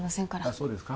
そうですか